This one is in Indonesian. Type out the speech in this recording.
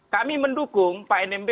kami mendukung pak nmb